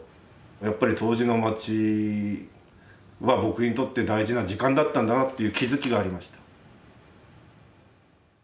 やっぱり当時の町は僕にとって大事な時間だったんだなっていう気付きがありました。